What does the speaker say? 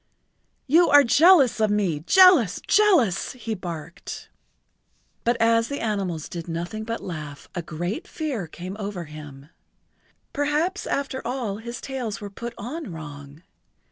"You are jealous of me—jealous—jealous," he barked. [Pg 84]But as the animals did nothing but laugh a great fear came over him. Perhaps after all his tails were put on wrong!